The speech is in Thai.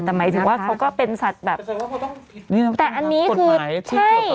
แต่หมายถึงว่าเขาก็เป็นสัตว์แบบแต่อันนี้คือใช่